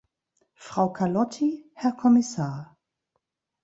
Frau Carlotti, Herr Kommissar!